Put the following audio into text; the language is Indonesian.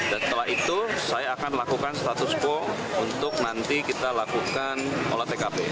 dan setelah itu saya akan lakukan status quo untuk nanti kita lakukan olah tkp